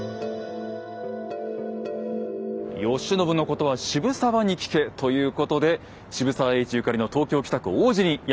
「慶喜のことは渋沢に聞け」ということで渋沢栄一ゆかりの東京・北区王子にやって来ました。